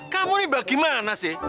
kamu ini bagaimana sih